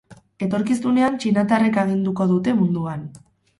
Etorkizunean txinatarrek aginduko dute munduan.